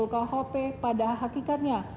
kpp pada hakikatnya